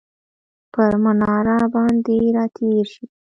پر مناره باندې راتیرشي،